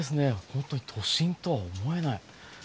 ほんとに都心とは思えない。